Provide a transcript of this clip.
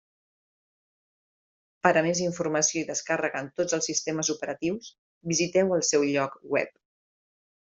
Per a més informació i descàrrega en tots els sistemes operatius visiteu el seu lloc web.